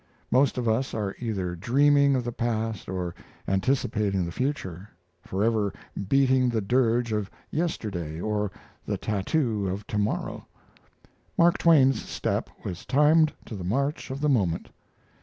Most of us are either dreaming of the past or anticipating the future forever beating the dirge of yesterday or the tattoo of to morrow. Mark Twain's step was timed to the march of the moment.